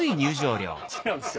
違うんですよ。